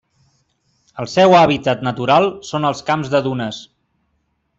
El seu hàbitat natural són els camps de dunes.